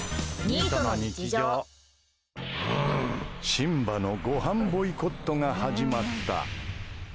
シンバのごはんボイコットが始まった。